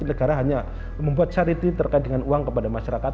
negara hanya membuat sarity terkait dengan uang kepada masyarakat